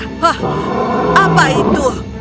hah apa itu